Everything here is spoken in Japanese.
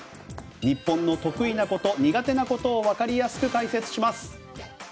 日本の得意なこと、苦手なことを分かりやすく解説します。